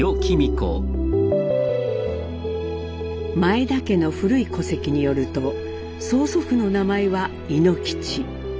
前田家の古い戸籍によると曽祖父の名前は猪吉。